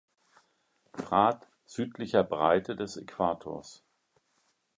Grad südlicher Breite des Äquators.